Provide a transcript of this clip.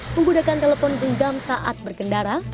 menggunakan telepon genggam saat berkendara